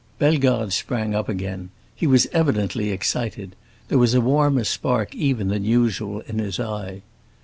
Bellegarde sprang up again; he was evidently excited; there was a warmer spark even than usual in his eye.